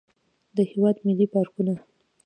د هېواد ملي پارکونه.